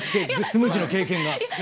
スムージーの経験が。